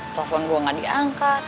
telepon saya tidak diangkat